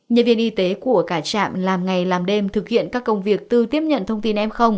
nhân viên y tế của cả trạm làm ngày làm đêm thực hiện các công việc từ tiếp nhận thông tin m